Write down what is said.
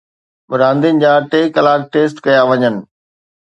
راندين جا ٽي ڪلاڪ ٽيسٽ ڪيا وڃن